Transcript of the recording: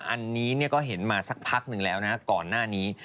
อันนี้ก็เห็นมาสักพักหนึ่งแล้วนะก่อนหน้านี้